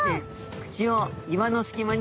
口を岩の隙間に。